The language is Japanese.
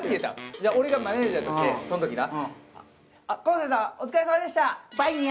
じゃあ俺がマネージャーとしてそのときな。